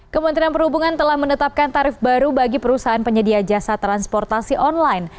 kementerian perhubungan telah menetapkan tarif baru bagi perusahaan penyedia jasa transportasi online